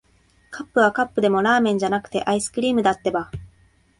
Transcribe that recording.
カップはカップでも、ラーメンじゃなくて、アイスクリームだってば。